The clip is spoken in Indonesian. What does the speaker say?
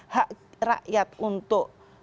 hak rakyat untuk